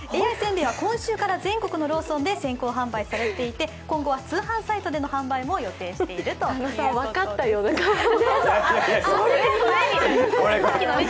ＡＩせんべいは今週から全国のローソンで先行販売されていて今後は通販サイトでの販売も予定しているということです。